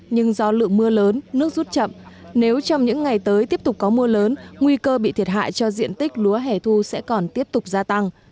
nhưng do lượng mưa lớn nước rút chậm nếu trong những ngày tới tiếp tục có mưa lớn nguy cơ bị thiệt hại cho diện tích lúa hẻ thu sẽ còn tiếp tục gia tăng